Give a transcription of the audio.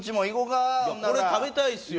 これ食べたいですよ。